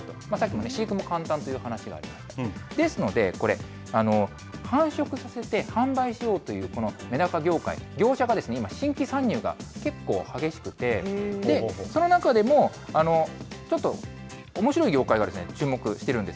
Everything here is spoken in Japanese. さっきも飼育も簡単という話がありましたが、ですので、これ、繁殖させて販売しようというメダカ業界の業者が今、新規参入が結構激しくて、その中でもちょっと、おもしろい業界が注目してるんです。